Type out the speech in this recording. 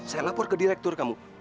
saya lapor ke direktur kamu